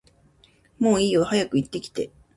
もういいよって早く言って